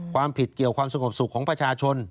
ความผิดเกี่ยวความสงบสุขของประชาชน